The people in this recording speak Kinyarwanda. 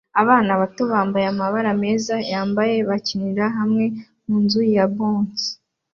Abana bato bambaye amabara meza yambaye bakinira hamwe munzu ya bounce